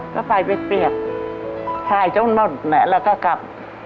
ก็ไปเปียกขายหลงหมดนะแล้วก็กลับ